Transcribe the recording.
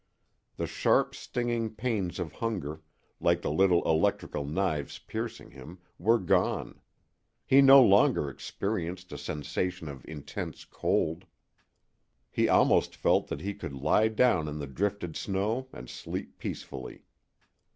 The sharp, stinging pains of hunger, like little electrical knives piercing him, were gone; he no longer experienced a sensation of intense cold; he almost felt that he could lie down in the drifted snow and sleep peacefully.